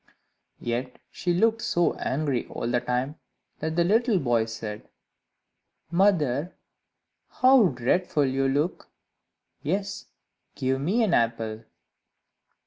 Yet she looked so angry all the time, that the little boy said, "Mother, how dreadful you look! Yes, give me an apple."